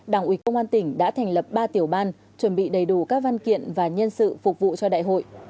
đảng ủy công an tỉnh đã thành lập ba tiểu ban chuẩn bị đầy đủ các văn kiện và nhân sự phục vụ cho đại hội